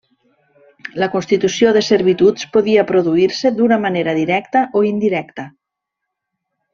La constitució de servituds podia produir-se d'una manera directa o indirecta.